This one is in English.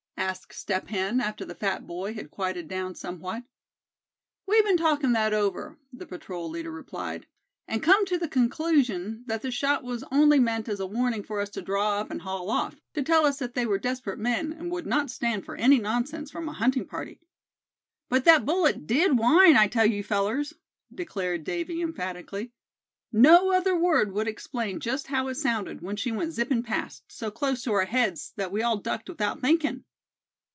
asked Step Hen, after the fat boy had quieted down somewhat. "We've been talking that over," the patrol leader replied; "and come to the conclusion that the shot was only meant as a warning for us to draw up, and haul off; to tell us that they were desperate men, and would not stand for any nonsense from a hunting party." "But that bullet did whine, I tell you, fellers;" declared Davy, emphatically; "no other word would explain just how it sounded, when she went zipping past, so close to our heads that we all ducked without thinkin'."